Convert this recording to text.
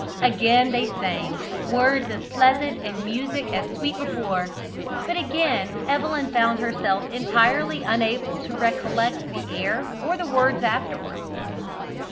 Again they sang, words as pleasant and music as sweet as before, but again Evelyn found herself entirely unable to recollect the air or the words afterwards.